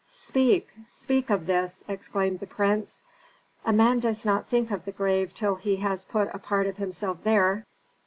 "Speak, speak of this!" exclaimed the prince. "A man does not think of the grave till he has put a part of himself there.